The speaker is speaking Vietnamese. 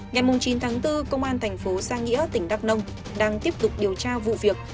ngày chín tháng bốn công an thành phố giang nghĩa tỉnh đắk nông đang tiếp tục điều tra vụ việc